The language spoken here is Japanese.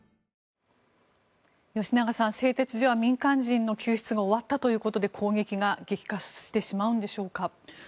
吉永さん、製鉄所は民間人の救出が終わったということで、攻撃が激化してしまうんでしょうか。